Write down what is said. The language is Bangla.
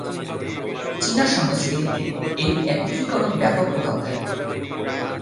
চীনা সংস্কৃতিতে এই একত্রীকরণ ব্যাপক প্রভাব ফেলে।